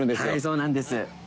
はいそうなんです。